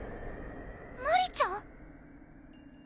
⁉マリちゃん？